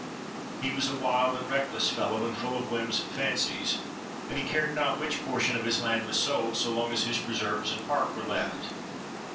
He was a wild and reckless fellow, and full of whims and fancies; and he cared not which portion of his land was sold, so long as his preserves and park were left.